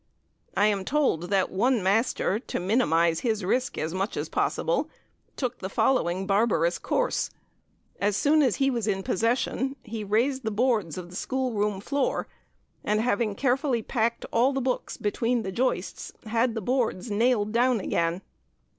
I am told that one master, to minimize his risk as much as possible, took the following barbarous course: As soon as he was in possession, he raised the boards of the schoolroom floor, and, having carefully packed all the books between the joists, had the boards nailed down again.